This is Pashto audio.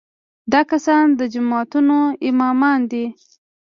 دا کسان د جوماتونو امامان دي.